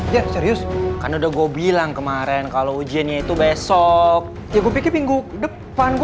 besok serius kan udah gua bilang kemarin kalau ujian yaitu besok ya gue pikir minggu depan gua